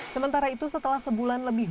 sementara itu setelah sebulan lebih